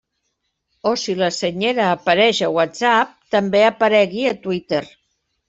O si la Senyera apareix a WhatsApp, també aparegui a Twitter.